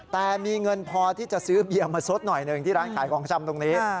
แต่มีเงินพอที่จะซื้อเบียร์มาซดหน่อยหนึ่งที่ร้านขายของชำตรงนี้